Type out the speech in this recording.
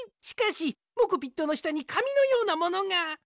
しかしモコピットのしたにかみのようなものが！